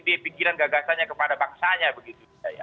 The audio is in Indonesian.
dan menyampaikan ide ide pikiran gagasannya kepada bangsanya begitu